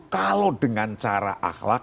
kalau dengan cara akhlak